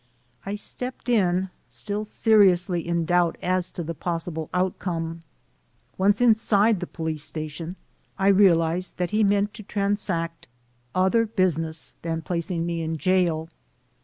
I stepped in, still seriously in doubt as to the possible outcome. Once inside the police station, I realized that he meant to transact other business than placing me in jail.